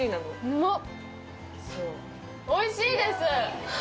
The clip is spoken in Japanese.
うまっ！